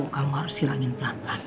kamu harus silangin pelan pelan